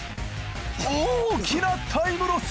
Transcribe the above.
大きなタイムロス。